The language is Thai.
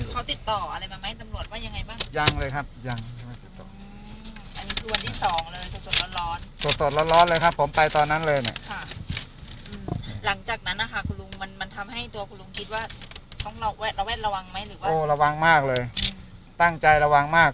เขาติดต่ออะไรมาไหมครับตำรวจว่ายังไงบ้าง